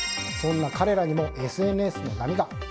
そんな彼らにもＳＮＳの波が。